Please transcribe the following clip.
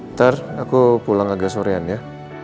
ntar aku pulang agak sorean ya